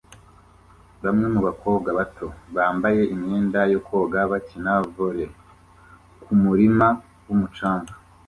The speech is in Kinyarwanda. Bamwe mu bakobwa bato bambaye imyenda yo koga bakina volley kumurima wumucanga